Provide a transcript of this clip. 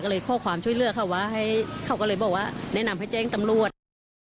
ก็เลยขอความช่วยเหลือเขาว่าให้เขาก็เลยบอกว่าแนะนำให้แจ้งตำรวจ